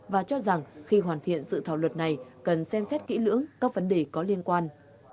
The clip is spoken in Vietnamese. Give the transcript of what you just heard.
và cho rằng khi hoàn thiện dự thảo luật này cần xem xét kỹ lưỡng các vấn đề có liên quan